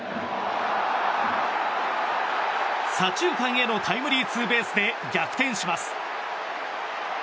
左中間へのタイムリーツーベースで逆転します。